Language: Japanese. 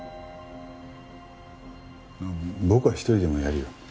僕は一人でもやるよ。